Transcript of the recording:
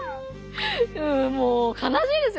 もうかなしいですよね